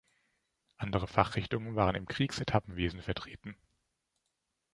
Andere Fachrichtungen waren im Kriegs-Etappenwesen vertreten.